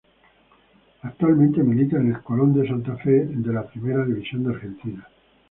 Actualmente milita en el Colon de Santa Fe de la Primera División de Argentina.